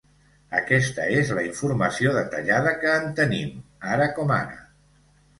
Aquesta és la informació detallada que en tenim, ara com ara.